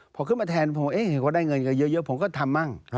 พอขึ้นมาแทนผมเห็นว่าได้เงินกันเยอะผมก็ทำมั่ง